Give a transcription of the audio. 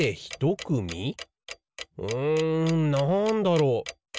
んなんだろう。